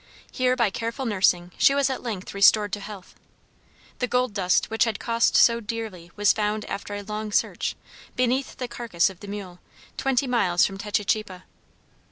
Here by careful nursing she was at length restored to health. The gold dust which had cost so dearly was found after a long search, beneath the carcass of the mule, twenty miles from Techichipa.